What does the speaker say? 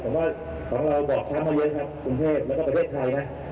แต่ว่าของเราบอบช้ำมาเยอะครับกรุงเทพแล้วก็ประเทศไทยนะ